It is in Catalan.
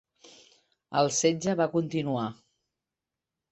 El setge va continuar.